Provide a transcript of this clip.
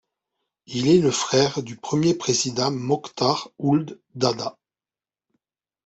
Il est le frère du premier président Moktar Ould Daddah.